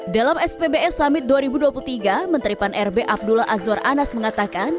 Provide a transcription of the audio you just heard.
dalam spbn summit dua ribu dua puluh tiga menteri pan rb abdullah azwar anas mengatakan